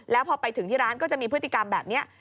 แล้วพอไปถึงที่ร้านก็จะมีพฤติกรรมแบบนี้